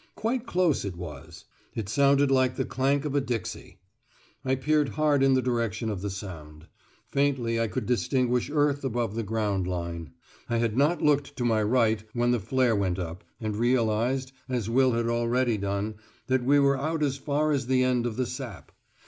Quite close it was; it sounded like the clank of a dixie. I peered hard in the direction of the sound. Faintly I could distinguish earth above the ground line. I had not looked to my right when the flare went up, and realised, as Will already had done, that we were out as far as the end of the sap.